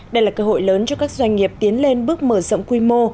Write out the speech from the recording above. đây là cơ hội lớn cho các doanh nghiệp tiến lên bước mở rộng quy mô